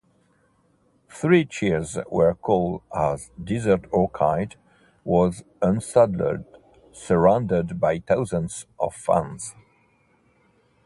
Three cheers were called as Desert Orchid was unsaddled, surrounded by thousands of fans.